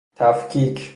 تفکیک